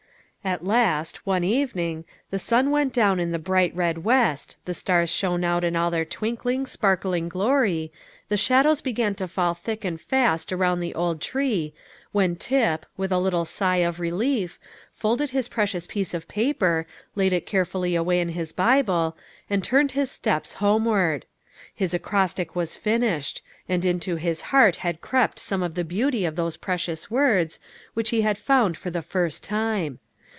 At last, one evening, the sun went down in the bright red west, the stars shone out in all their twinkling, sparkling glory, the shadows began to fall thick and fast around the old tree, when Tip, with a little sigh of relief, folded the precious piece of paper, laid it carefully away in his Bible, and turned his steps homeward. His acrostic was finished, and into his heart had crept some of the beauty of those precious words, which he had found for the first time.